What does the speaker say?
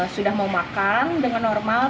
sudah mau makan dengan normal